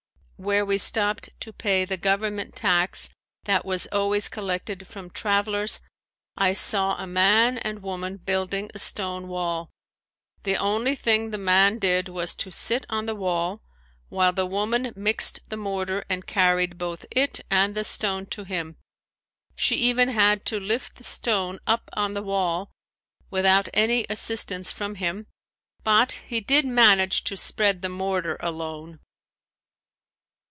Where we stopped to pay the government tax that was always collected from travelers, I saw a man and woman building a stone wall. The only thing the man did was to sit on the wall while the woman mixed the mortar and carried both it and the stone to him. She even had to lift the stone up on the wall without any assistance from him, but he did manage to spread the mortar alone.